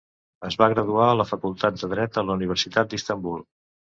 Es va graduar a la Facultat de Dret de la Universitat d'Istanbul.